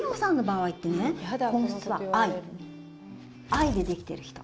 愛でできてる人。